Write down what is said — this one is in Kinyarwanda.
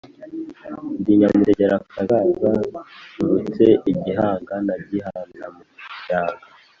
ndi nyamutegerakazaza nturutse i gihinga na gihindamuyaga,